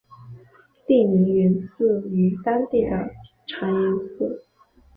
地名源自于当地的长延寺。